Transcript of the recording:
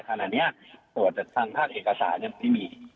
แต่ขณะเนี่ยตัวจากทางภาคเอกสารเนี่ยมันไม่มี